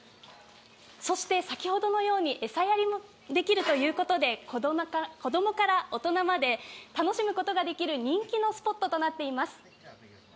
そして先ほどのように餌やりもできるということで子供から大人まで楽しむことができる人気のスポットとなっています。